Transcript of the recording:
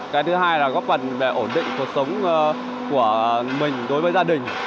cái thứ hai là góp phần về ổn định cuộc sống của mình đối với gia đình